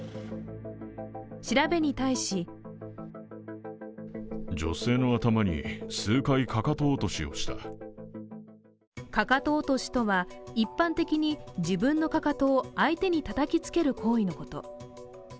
調べに対しかかと落としとは一般的に自分のかかとを相手にたたきつける行為のこと。